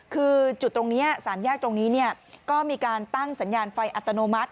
คือสามแยกตรงนี้ก็มีการตั้งสัญญาณไฟอัตโนมัติ